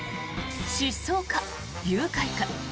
失踪か、誘拐か。